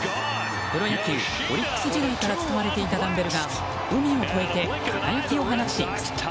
プロ野球、オリックス時代から使われていたダンベルが海を越えて輝きを放っています。